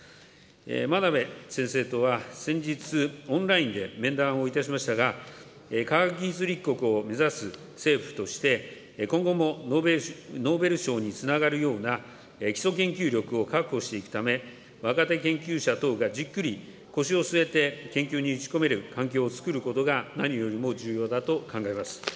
真鍋先生とは先日、オンラインで面談をいたしましたが、科学技術立国を目指す政府として、今後もノーベル賞につながるような、基礎研究力を確保していくため、若手研究者等がじっくり腰を据えて研究に打ち込める環境をつくることが何よりも重要だと考えます。